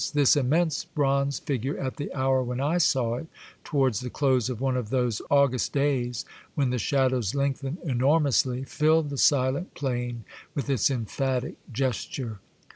this immense bronze figure, at the hour when I saw it, towards the close of one of those August days when the shadows lengthen enor mously, filled the silent plain with its emphatic gesture.